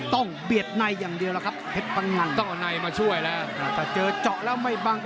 ต้องเอาไนมาช่วยแล้ว